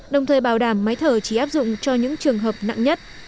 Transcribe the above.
đồng thời bảo đảm máy thở chỉ áp dụng cho những trường hợp nặng nhất